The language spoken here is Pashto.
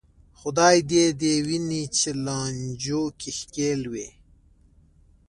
خدای دې دې ویني چې لانجو کې ښکېل وې.